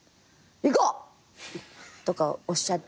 「いこう！」とかおっしゃって。